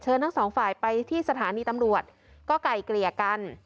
ทั้งสองฝ่ายไปที่สถานีตำรวจก็ไกลเกลี่ยกัน